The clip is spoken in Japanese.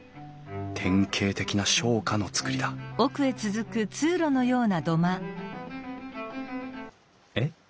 典型的な商家の造りだえっ？